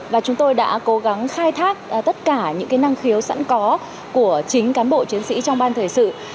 và chúng tôi đã cố gắng khai thác tất cả những năng khiếu sẵn có của chính cán bộ chiến sĩ trong ban thời sự